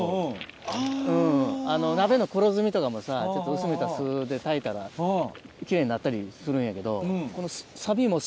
鍋の黒ずみとかもさ薄めた酢で炊いたら奇麗になったりするんやけど。